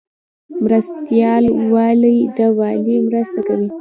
مرستیال والی د والی مرسته کوي